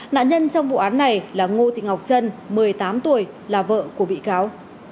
nạn nhân trong vụ án này là ngô thị ngọc trân một mươi tám tuổi là vợ của bị cáo